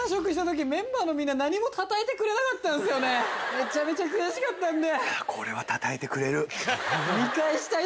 めちゃめちゃ悔しかったんで。